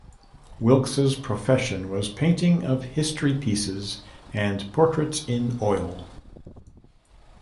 Wilkes' profession was 'painting of History Pieces and Portraits in Oyl'.